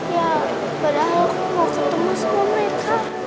ya padahal aku mau ketemu sama mereka